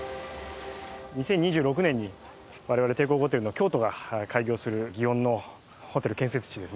２０２６年に我々帝国ホテルの京都が開業する園のホテル建設地ですね。